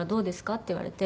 って言われて。